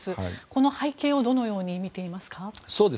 この背景をどのように見ていますか。